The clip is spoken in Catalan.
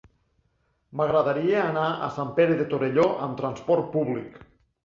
M'agradaria anar a Sant Pere de Torelló amb trasport públic.